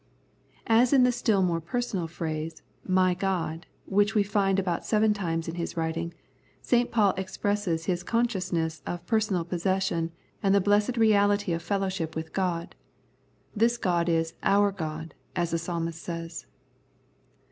As in the still more personal phrase, " My God," which we find about seven times in his writings, St. Paul expresses his consciousness of personal possession and the blessed reality of fellow 35 The Prayers of St. Paul ship with God. " This God is our God," as the Psalmist says.